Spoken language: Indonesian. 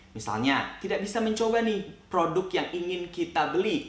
misalnya tidak bisa mencoba nih produk yang ingin kita beli